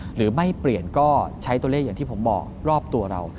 หรือไม่เปลี่ยนก็ใช้ตัวเลขอย่างที่ผมบอกรอบตัวเรา